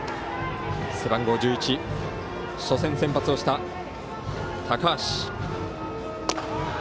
背番号１１、初戦先発をした高橋。